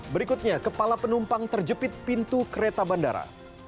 berikutnya kepala penumpang terjepit pintu kereta bandara